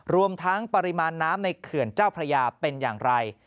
รวมทั้งปริมาณน้ำในเขื่อนเจ้าพระยาเป็นอย่างไร